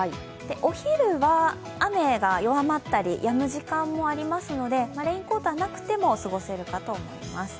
お昼は雨が弱まったりやむ時間もありますのでレインコートはなくても過ごせるかと思います。